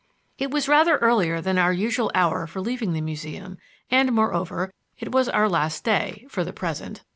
It was rather earlier than our usual hour for leaving the Museum and, moreover, it was our last day for the present.